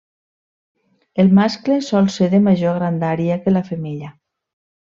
El mascle sol ser de major grandària que la femella.